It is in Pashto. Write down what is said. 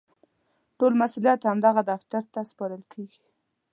ټول مسوولیت همدغه دفتر ته سپارل کېږي.